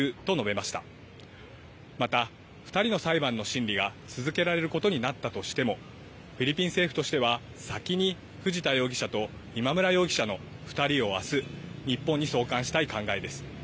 また、２人の裁判の審理が続けられることになったとしても、フィリピン政府としては、先に藤田容疑者と今村容疑者の２人をあす、日本に送還したい考えです。